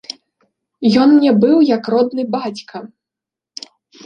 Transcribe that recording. Ён мне быў як родны бацька.